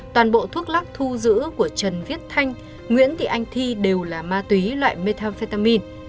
toàn bộ thuốc lắc thu giữ của trần viết thanh nguyễn thị anh thi đều là ma túy loại methamphetamin